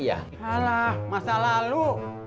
alah masa lalu